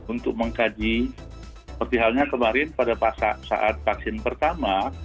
untuk mengkaji seperti halnya kemarin pada saat vaksin pertama